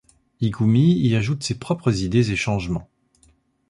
Ikumi y ajoute ses propres idées et changements.